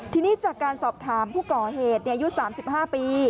ทีนี้จากการสอบถามผู้ก่อเหตุอายุ๓๕ปี